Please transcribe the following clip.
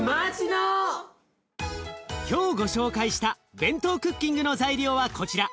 今日ご紹介したＢＥＮＴＯクッキングの材料はこちら。